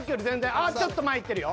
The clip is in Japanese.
ああっちょっと前いってるよ。